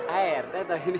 air teh tau ini